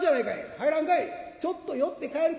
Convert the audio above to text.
入らんかい」。